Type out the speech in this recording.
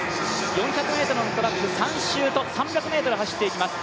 ４００ｍのトラックと３００ｍ走っていきます。